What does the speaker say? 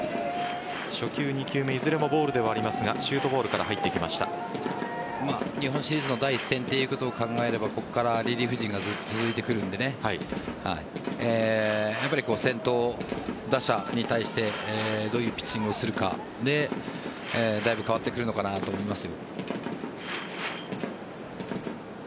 初球、２球目いずれもボールではありますがシュートボールから日本シリーズの第１戦ということを考えればここからリリーフ陣が続いてくるので先頭打者に対してどういうピッチングをするかでだいぶ変わってくるのかなと思います。